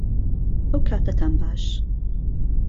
ئەوکاتەتان باش